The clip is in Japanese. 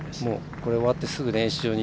これ終わってすぐ練習場に。